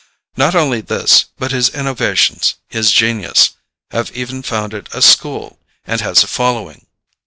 Not only this, but his innovations, his genius, have even founded a school, and has a following.